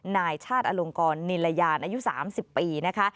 นายชาติอลงกรนิรยานอายุ๓๐ปีนะคะ